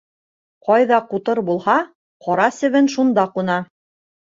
Ҡайҙа ҡутыр булһа, ҡара себен шунда ҡуна.